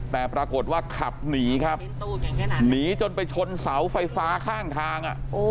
แต่ปรากฏว่าขับหนีครับหนีจนไปชนเสาไฟฟ้าข้างทาง